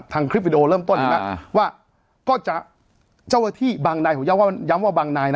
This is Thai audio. ทางคลิปวิดีโอเริ่มต้นนะอ่าว่าก็จะเจ้าอาทิบางนายของย้าวว่าย้ำว่าบางนายน่ะ